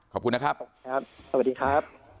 ขอบคุณนะครับครับสวัสดีครับ